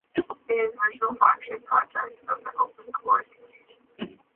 It is the original flagship project of the OpenCores community.